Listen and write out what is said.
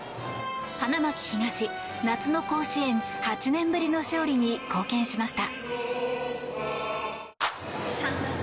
花巻東、夏の甲子園８年ぶりの勝利に貢献しました。